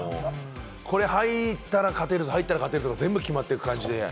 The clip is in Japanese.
これ入ったら勝てるぞ、入ったら勝てるぞ、全部入ってる感じで。